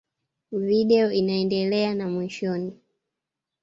Video inaendelea na mwishoni.